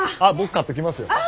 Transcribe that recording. あっ僕買ってきますよ。